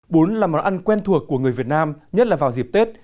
bún là món ăn quen thuộc của người việt nam nhất là vào dịp tết